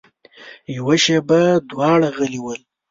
يوه شېبه دواړه غلي ول.